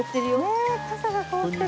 ねえ傘が凍ってる。